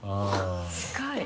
近い。